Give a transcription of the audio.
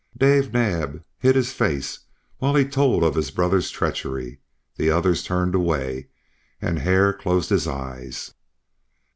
Dave Naab hid his face while he told of his brother's treachery; the others turned away, and Hare closed his eyes.